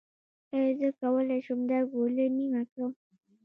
ایا زه کولی شم دا ګولۍ نیمه کړم؟